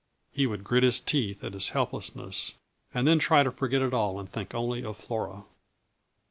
He would grit his teeth at his helplessness, and then try to forget it all and think only of Flora.